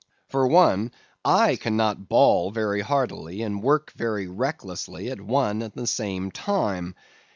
For one, I cannot bawl very heartily and work very recklessly at one and the same time.